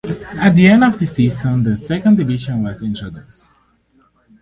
At the end of the season the second division was introduced.